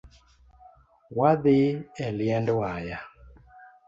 Wadhii e liend waya